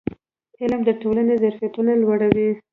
علم د ټولنې ظرفیتونه لوړوي.